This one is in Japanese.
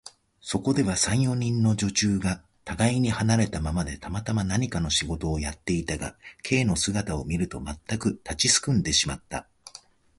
そこでは、三、四人の女中がたがいに離れたままで、たまたま何かの仕事をやっていたが、Ｋ の姿を見ると、まったく立ちすくんでしまった。